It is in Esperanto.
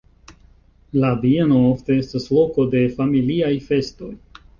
La bieno ofte estas loko de familiaj festoj.